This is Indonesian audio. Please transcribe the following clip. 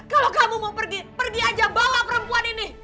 kalau kamu mau pergi pergi aja bawa perempuan ini